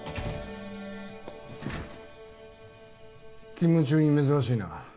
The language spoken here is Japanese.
勤務中に珍しいな。